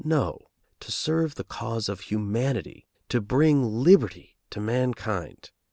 No; to serve the cause of humanity, to bring liberty to mankind.